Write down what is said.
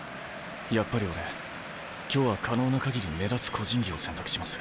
やっぱり俺今日は可能な限り目立つ個人技を選択します。